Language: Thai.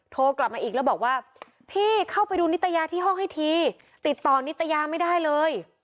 โทรกลับมาอีกแล้วบอกว่าพี่เข้าไปดูนิตยาที่ห้องให้ทีติดต่อนิตยาไม่ได้เลย